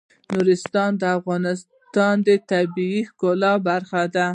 نورستان د افغانستان د طبیعت د ښکلا برخه ده.